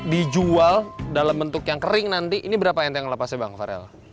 kalau dijual dalam bentuk yang kering nanti ini berapa yang akan dilepas bang farel